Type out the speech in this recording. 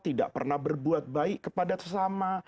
tidak pernah berbuat baik kepada sesama